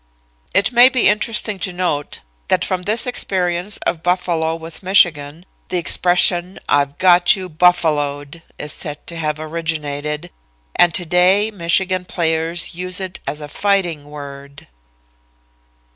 "It may be interesting to note that from this experience of Buffalo with Michigan the expression, 'I've got you Buffaloed,' is said to have originated, and to day Michigan players use it as a fighting word."